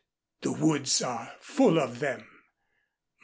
The woods are full of them.